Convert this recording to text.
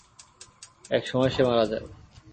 এক সময় সে মারা যায়।